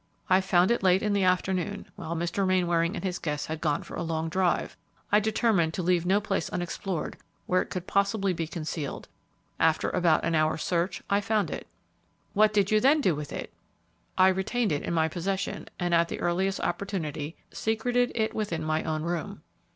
"I found it late in the afternoon, while Mr. Mainwaring and his guests had gone for a long drive. I determined to leave no place unexplored where it could possibly be concealed; after about an hour's search I found it." "What did you then do with it?" "I retained it in my possession, and at the earliest opportunity secreted it within my own room."